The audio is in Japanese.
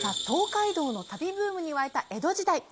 東海道の旅ブームに沸いた江戸時代